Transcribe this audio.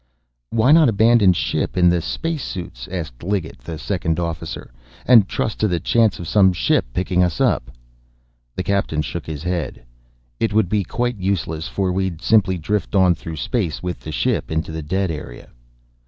"Why not abandon ship in the space suits," asked Liggett, the second officer, "and trust to the chance of some ship picking us up?" The captain shook his head. "It would be quite useless, for we'd simply drift on through space with the ship into the dead area."